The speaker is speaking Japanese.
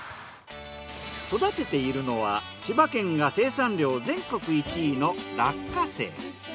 育てているのは千葉県が生産量全国１位の落花生。